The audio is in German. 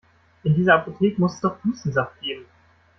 In dieser Apotheke muss es doch Hustensaft geben!